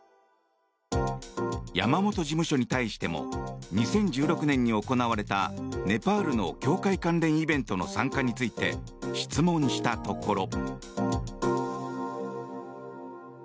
山本事務所に対しても２０１６年に行われたネパールの教会関連イベントの参加について質問したところ。